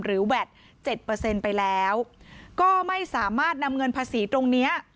หรือแบต๗ไปแล้วก็ไม่สามารถนำเงินภาษีตรงนี้